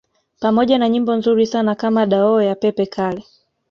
Pamoja na nyimbo nzuri sana kama Dadou ya Pepe Kalle